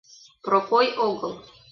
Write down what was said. Прокой огыл.